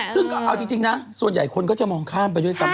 ซึ่งก็เอาจริงนะส่วนใหญ่คนก็จะมองข้ามไปด้วยซ้ำ